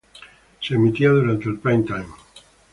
Se emitía durante el prime time.